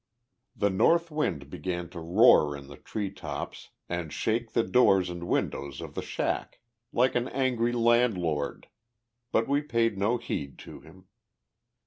The North wind began to roar in the tree tops and shake the doors and windows of the shack, like an angry landlord, but we paid no heed to him.